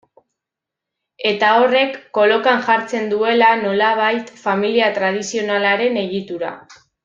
Eta horrek kolokan jartzen duela, nolabait, familia tradizionalaren egitura.